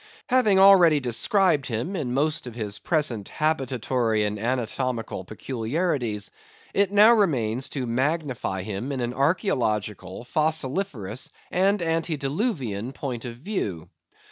Having already described him in most of his present habitatory and anatomical peculiarities, it now remains to magnify him in an archæological, fossiliferous, and antediluvian point of view.